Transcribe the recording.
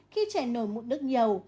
khi trẻ nổi mụn nước nhiều